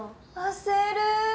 焦る。